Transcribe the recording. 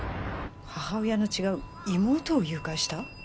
母親の違う妹を誘拐した？